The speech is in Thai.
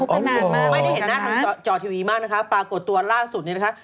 คุกกันนานมากกว่ากันนะไม่ได้เห็นหน้าทางจอทีวีมากนะคะปรากฏตัวล่าสุดนี้นะคะ